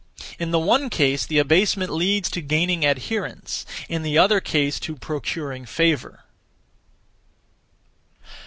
In the one case the abasement leads to gaining adherents, in the other case to procuring favour.